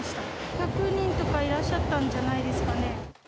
１００人とかいらっしゃったんじゃないですかね。